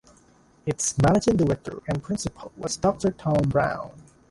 Its Managing Director and Principal was Doctor Tom Brown.